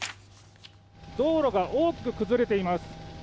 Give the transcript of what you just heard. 道路が大きく崩れています。